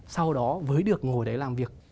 sau đó với được ngồi đấy làm việc